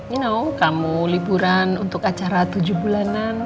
you know kamu liburan untuk acara tujuh bulanan